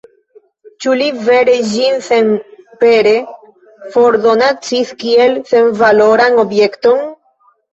Ĉu li vere ĝin senpere fordonacis, kiel senvaloran objekton?